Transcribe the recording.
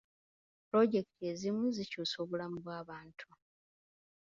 Pulojekiti ezimu zikyusa obulamu bw'abantu.